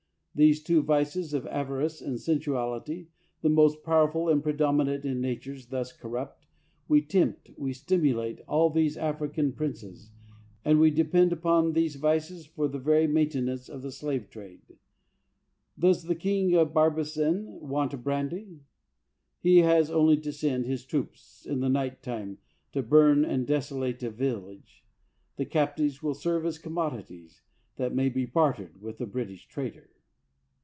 These two vices of avarice and sensuality, the most powerful and predominant in natures thus corrupt, we tempt, we stimulate in all these African princes, and we depend upon these vices 61 THE WORLD'S FAMOUS ORATIONS for the very maintenance of the slave trade. Does the king of Barbessin want brandy ? He has only to send his troops, in the night time, to burn and desolate a village; the captives will serve as commodities, that may be bartered with the British trader.